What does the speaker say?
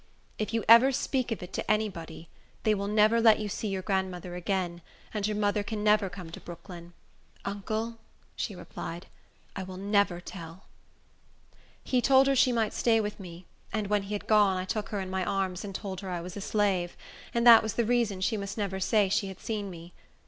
If you ever speak of it to any body, they will never let you see your grandmother again, and your mother can never come to Brooklyn." "Uncle," she replied, "I will never tell." He told her she might stay with me; and when he had gone, I took her in my arms and told her I was a slave, and that was the reason she must never say she had seen me.